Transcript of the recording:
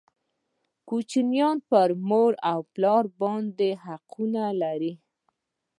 کوچنیان پر مور او پلار باندي حقوق لري